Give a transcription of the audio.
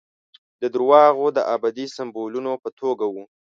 د درواغو د ابدي سمبولونو په توګه وو.